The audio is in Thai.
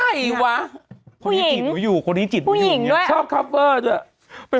ใครวะผู้หญิงคนนี้จิตหนูอยู่